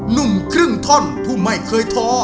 หนุ่มครึ่งท่อนผู้ไม่เคยท้อ